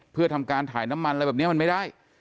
เพื่อทำการถ่ายน้ำมันอะไรแบบนี้มันไม่ได้